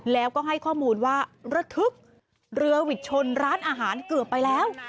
แล้วก็ให้ข้อมูลว่าระทึกเรือหวิดชนร้านอาหารเกือบไปแล้ว